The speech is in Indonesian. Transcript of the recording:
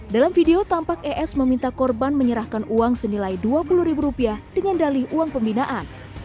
dalam video tampak es meminta korban menyerahkan uang senilai dua puluh ribu rupiah dengan dali uang pembinaan